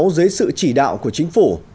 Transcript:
dưới sự chỉ đạo của chính phủ